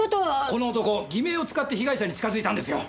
この男偽名を使って被害者に近づいたんですよ。